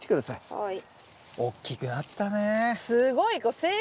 はい。